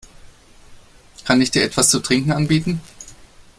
Kann ich dir etwas zu trinken anbieten?